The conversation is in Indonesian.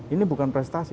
ini bukan prestasi